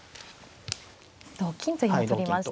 同金と今取りました。